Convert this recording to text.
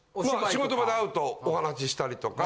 仕事場で会うとお話ししたりとか。